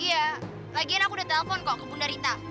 iya lagian aku udah telpon kok ke bunda rita